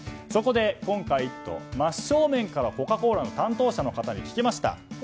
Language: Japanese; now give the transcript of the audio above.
そこで今回、真正面からコカ・コーラの担当者の方に聞きました。